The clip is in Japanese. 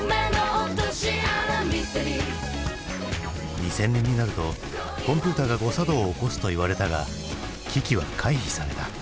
２０００年になるとコンピューターが誤作動を起こすといわれたが危機は回避された。